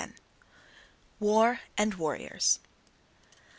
WAR AND WARRIORS.